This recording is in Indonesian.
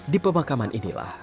di pemakaman inilah